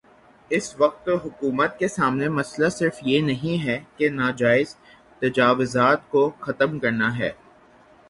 اس وقت حکومت کے سامنے مسئلہ صرف یہ نہیں ہے کہ ناجائز تجاوزات کو ختم کرنا ہے۔